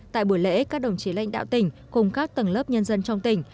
tại buổi lễ các đồng chí lãnh đạo tỉnh cùng các tầng lớp nhân dân trong tỉnh